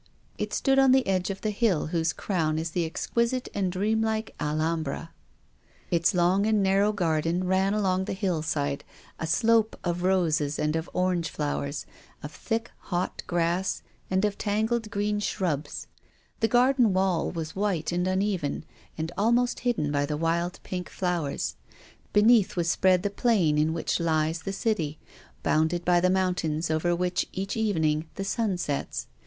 It stood on the edge of the hill whose crown is the exquisite and dream like Alhambra. Itslong and narrow garden ran along the hillside, a slope of roses and of orange flowers, of thick, hot grass and of tangled green shrubs. The garden wall was white and uneven, and almost hidden by wild, pink flowers. Beneath was spread the plain 122 TONGUES OF CONSCIENCE. in which lies the City, bounded by the mountains over which, each evening, the sun sets.